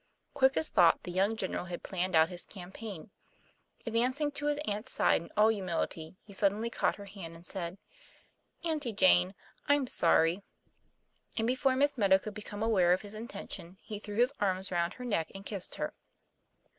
Quick as thought the young general had planned out his campaign. Advancing to his aunt's side in all humility, he suddenly caught her hand, and said: '* Auntie Jane, I'm sorry, " and before Miss Meadow could become aware of his intention, he threw his arms round her neck and kissed her.